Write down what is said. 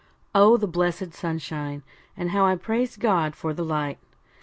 Oh, the blessed sunshine, and how I praised God for the light!